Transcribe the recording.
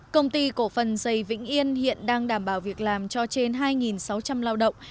công ty cổ phần dày vĩnh yên hiện đang đảm bảo việc làm cho trên hai sáu trăm linh lao động